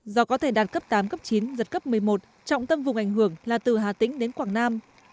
gió có thể đạt cấp tám cấp chín giật cấp một mươi một trọng tâm vùng ảnh hưởng là từ hà tĩnh đến quảng nam